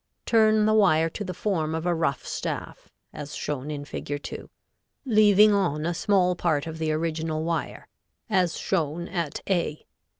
Turn the wire to the form of a rough staff, as shown in Fig. 2, leaving on a small part of the original wire, as shown at A.